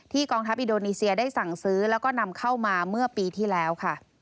กองทัพอินโดนีเซียได้สั่งซื้อแล้วก็นำเข้ามาเมื่อปีที่แล้วค่ะ